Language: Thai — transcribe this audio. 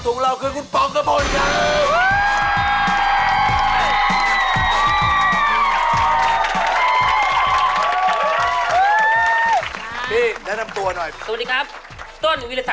สวัสดีครับ